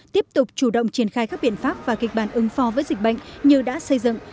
tiếp tục chủ động triển khai các biện pháp và kịch bản ứng phó với dịch bệnh như đã xây dựng